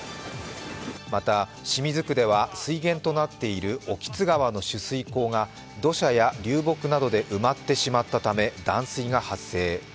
また清水区では水源となっている興津川の取水口が土砂や流木で埋まってしまったため断水が発生。